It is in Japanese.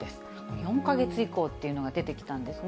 ４か月以降っていうのが出てきたんですね。